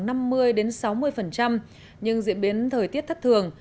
nhưng diễn biến thời tiết thất thường